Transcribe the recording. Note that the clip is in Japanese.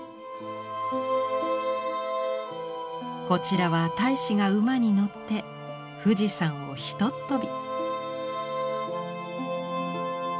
こちらは太子が馬に乗って富士山をひとっ飛び！